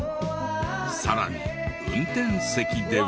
さらに運転席では。